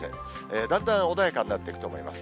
だんだん穏やかになっていくと思います。